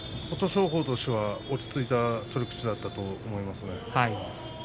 琴勝峰としては落ち着いた取り口だったと思いますね。